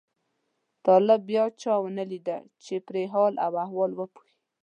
طالب بیا چا ونه لیده چې پرې حال احوال وپوښي.